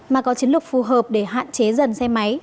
mà có chiến lược phù hợp để hạn chế dần xe máy